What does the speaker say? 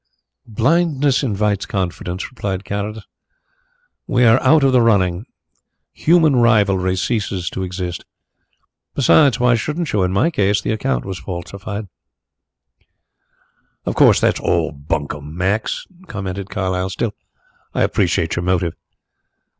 "Blindness invites confidence," replied Carrados. "We are out of the running human rivalry ceases to exist. Besides, why shouldn't you? In my case the account was falsified." "Of course that's all bunkum, Max" commented Carlyle. "Still, I appreciate your motive."